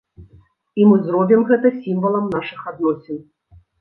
І мы зробім гэта сімвалам нашых адносін.